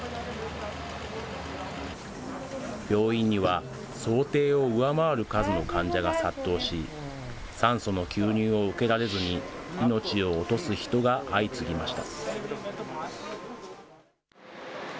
病院には想定を上回る数の患者が殺到し、酸素の吸入を受けられずに、命を落とす人が相次ぎました。